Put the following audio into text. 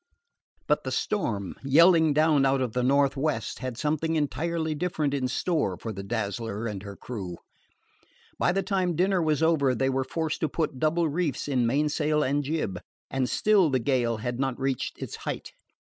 But the storm, yelling down out of the northwest, had something entirely different in store for the Dazzler and her crew. By the time dinner was over they were forced to put double reefs in mainsail and jib, and still the gale had not reached its height.